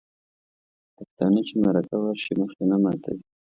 پښتانه چې مرکه ورشي مخ یې نه ماتوي.